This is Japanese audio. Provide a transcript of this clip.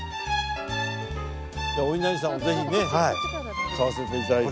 じゃあおいなりさんをぜひね買わせて頂いて。